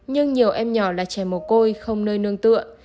nhưng nhiều em nhỏ là trẻ mồ côi không nơi nương tựa